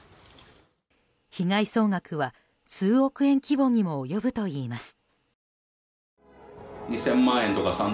被害総額は数億円規模にも及ぶといいます。